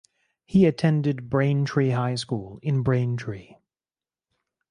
He attended Braintree High School in Braintree.